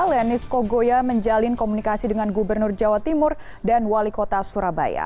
lenis kogoya menjalin komunikasi dengan gubernur jawa timur dan wali kota surabaya